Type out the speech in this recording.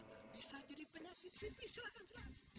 tidak bisa jadi penyakit pipis silahkan silahkan